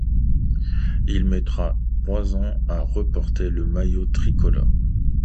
Il mettra trois ans à reporter le maillot tricolore.